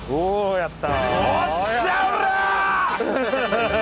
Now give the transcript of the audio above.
やった！